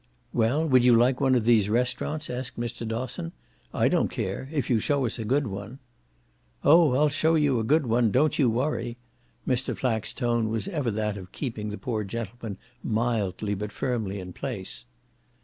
"Well, would you like one of these restaurants?" asked Mr. Dosson. "I don't care if you show us a good one." "Oh I'll show you a good one don't you worry." Mr. Flack's tone was ever that of keeping the poor gentleman mildly but firmly in his place.